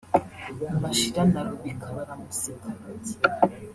Mashira na Rubika baramuseka ; bati